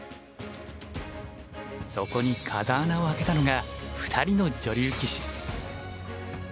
そこに風穴を開けたのが２人の女流棋士。